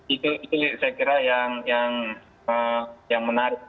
itu saya kira yang menarik